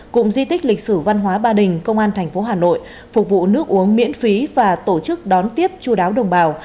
cụm di tích lịch sử văn hóa ba đình công an tp hà nội phục vụ nước uống miễn phí và tổ chức đón tiếp chú đáo đồng bào